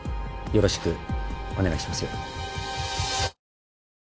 よろしくお願いしますよ。